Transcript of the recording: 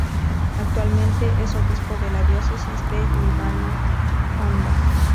Actualmente es obispo de la Diócesis de Líbano-Honda.